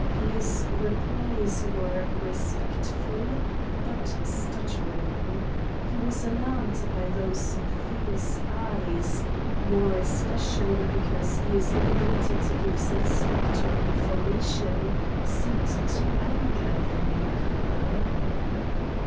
His replies were respectful, but stuttering. He was alarmed by those fierce eyes, more especially because his inability to give satisfactory information seemed to anger the new comer.